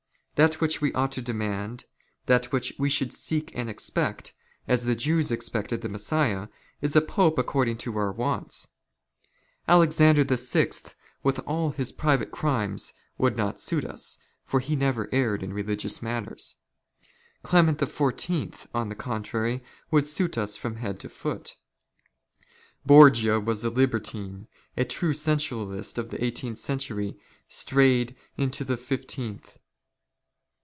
That which we ought " to demand, that which we should seek and expect, as the Jews " expected the Messiah, is a Pope according to our wants. " Alexander VI., with all his private crimes, would not suit ''us, for he never erred in religious matters. Clement " XIV., on the contrary, would suit us from head to foot. " Borgia was a libertine, a true sensualist of the eighteenth " century strayed into the fifteenth.